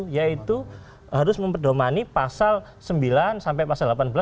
yaitu harus memperdomani pasal sembilan sampai pasal delapan belas